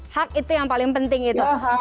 hak itu yang paling penting itu